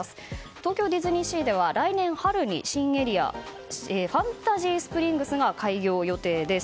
東京ディズニーシーでは来年春に新エリアファンタジースプリングスが開業予定です。